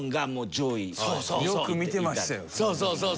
そうそうそう。